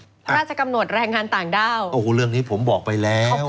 พระราชกำหนดแรงงานต่างด้าวโอ้โหเรื่องนี้ผมบอกไปแล้ว